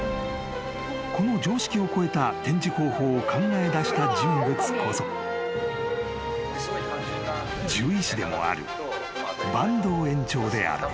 ［この常識を超えた展示方法を考えだした人物こそ獣医師でもある坂東園長である］